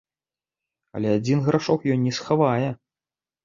Але адзін грашок ён не схавае.